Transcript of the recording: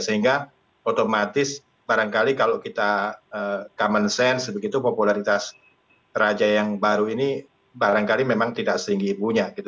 sehingga otomatis barangkali kalau kita common sense begitu popularitas raja yang baru ini barangkali memang tidak setinggi ibunya